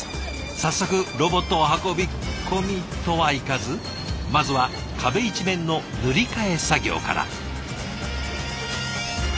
早速ロボットを運び込みとはいかずまずは壁一面の塗り替え作業から。